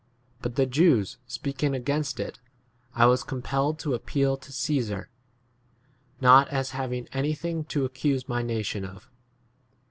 19 But the Jews speaking against it, I was compelled to appeal to Caesar, not as having anything to accuse 20 my nation of.